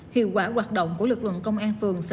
hiệu quả hoạt động của lực lượng công an phường xã